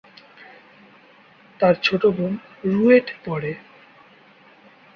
তার ছোট বোন রুয়েটে পড়ে।